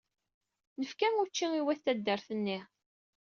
Nefka učči i wayt taddart-nni.